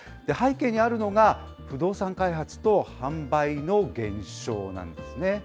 背景にあるのが、不動産開発と販売の減少なんですね。